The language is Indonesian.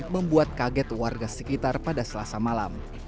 membuat kaget warga sekitar pada selasa malam